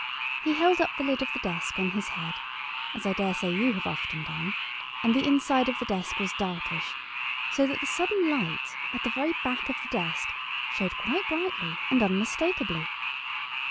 He held up the lid of the desk on his head, as I daresay you have often done, and the inside of the desk was darkish, so that the sudden light at the very back of the desk showed quite brightly and unmistakably.